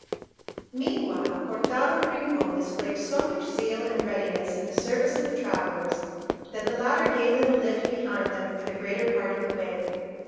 Meanwhile Cortado and Rincon displayed so much zeal and readiness in the service of the travellers, that the latter gave them a lift behind them for the greater part of the way.